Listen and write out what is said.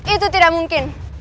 itu tidak mungkin